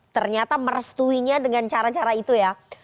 ternyata merestuinya dengan cara cara itu ya